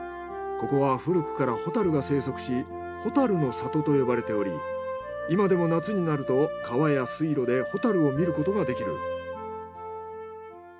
ここは古くからホタルが生息しホタルの里と呼ばれており今でも夏になると川や水路でホタルを見ることができる。